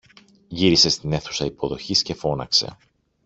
Γύρισε στην αίθουσα υποδοχής και φώναξε